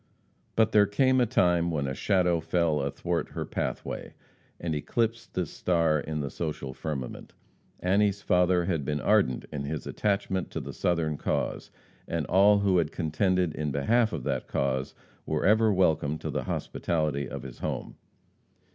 But there came a time when a shadow fell athwart her pathway, and eclipsed this star in the social firmament. Annie's father had been ardent in his attachment to the Southern cause, and all who had contended in behalf of that cause were ever welcome to the hospitality of his home.